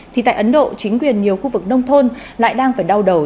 thì tại ấn độ chính quyền nhiều khu vực nông thôn lại đang phải đau đầu